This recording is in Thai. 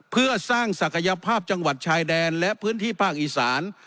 เพื่อสร้างศักยภาพจังหวัดชายแดนและพื้นที่ภาคอีสาน